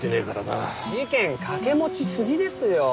事件掛け持ちすぎですよ。